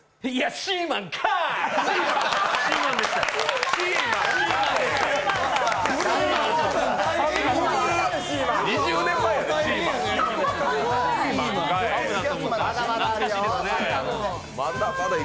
シーマンかーい！